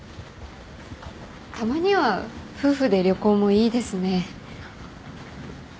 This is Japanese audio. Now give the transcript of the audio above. たまには夫婦で旅行もいいですね。